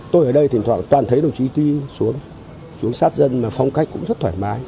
tôi ở đây thỉnh thoảng toàn thấy đồng chí tuy xuống xuống sát dân mà phong cách cũng rất thoải mái